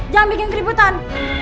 jangan bikin keributan